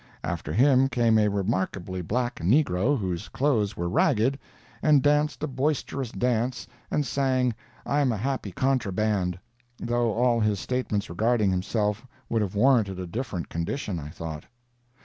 After him came a remarkably black negro, whose clothes were ragged, and danced a boisterous dance and sang "I'm a happy contra band," though all his statements regarding himself would have warranted a different condition, I thought.